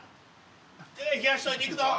手冷やしといていくぞ。